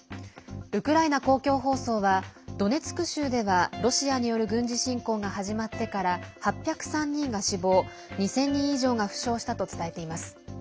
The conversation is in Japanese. ウクライナ公共放送はドネツク州ではロシアによる軍事侵攻が始まってから８０３人が死亡２０００人以上が負傷したと伝えています。